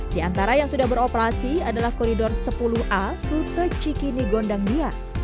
di antara yang sudah beroperasi adalah koridor sepuluh a rute cikini gondangdia